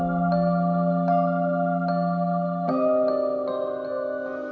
ada di provinsi